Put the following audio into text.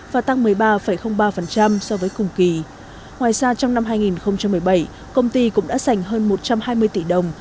và tăng một mươi ba ba so với cùng kỳ ngoài ra trong năm hai nghìn một mươi bảy công ty cũng đã sảnh hơn một trăm hai mươi tỷ đồng